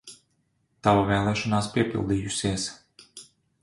Tava vēlēšanās piepildījusies!